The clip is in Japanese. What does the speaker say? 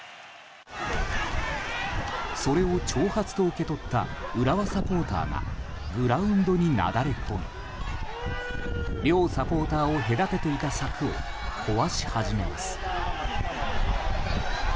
それを挑発と受け取った浦和サポーターがグラウンドになだれ込み両サポーターを隔てていた柵を壊し始めます。